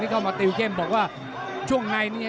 เข้ามาติวเข้มบอกว่าช่วงในนี้